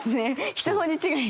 １文字違い。